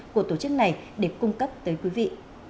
của tổ chức này để cung cấp tới quý vị